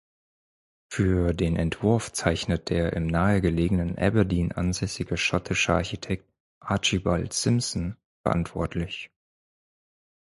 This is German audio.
Für den Entwurf zeichnet der im nahegelegenen Aberdeen ansässige schottische Architekt Archibald Simpson verantwortlich.